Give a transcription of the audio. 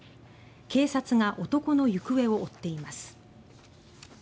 警察が男の行方を追っています。